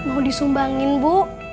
mau disumbangin bu